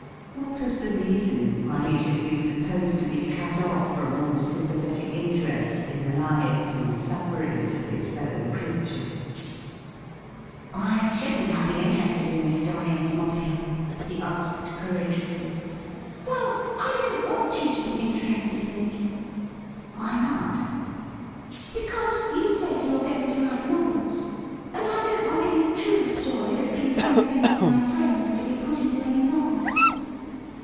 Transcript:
What was the reason why he should be supposed to be cut off from all sympathetic interest in the lives and sufferings of his fellow creatures ?' Why shouldn't I be interested in this story. Miss More field ?' he asked courageously. ' Well, I don't want you to be interested in it.' ' Why not .?'' Because you said you are going to write novels, and I don't want any true story that concerns any of my friends to be put into any novel.'